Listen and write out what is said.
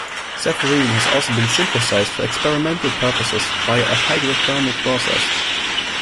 Sapphirine has also been synthesized for experimental purposes via a hydrothermal process.